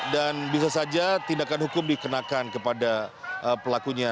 dan bisa saja tindakan hukum dikenakan kepada pelakunya